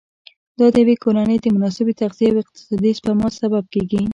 دا د یوې کورنۍ د مناسبې تغذیې او اقتصادي سپما سبب کېږي.